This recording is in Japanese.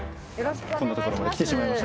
こんなところまで来てしまいました